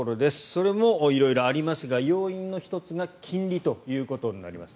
それも色々ありますが要因の１つが金利となります。